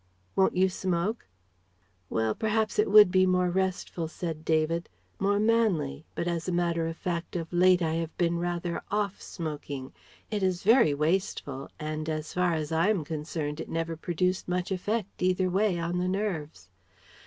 "Won't you smoke?" "Well, perhaps it would be more restful," said David, "more manly; but as a matter of fact of late I have been rather 'off' smoking. It is very wasteful, and as far as I am concerned it never produced much effect either way on the nerves.